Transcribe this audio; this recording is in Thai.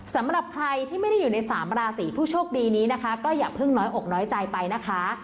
สำหรับใครที่ไม่ได้อยู่ในสามราศีผู้โชคดีนี้นะคะก็อย่าเพิ่งน้อยอกน้อยใจไปนะคะ